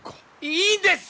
いいんです！